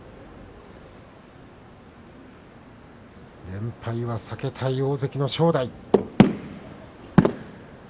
連敗は避けたい大関の正代。